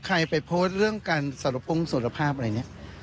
ใครไปโพสต์เรื่องการสารภงสารภาพอะไรนี้